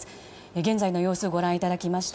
現在の様子をご覧いただきました。